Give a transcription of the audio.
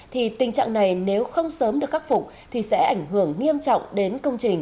thì tình trạng này nếu không sớm được khắc phục thì sẽ ảnh hưởng nghiêm trọng đến công trình